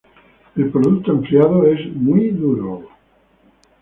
El producto enfriado es muy duro.